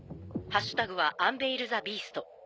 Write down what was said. ハッシュタグはアンベイル・ザ・ビースト。